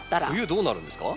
冬どうなるんですか？